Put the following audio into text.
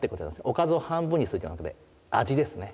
おかずを半分にするではなくて味ですね。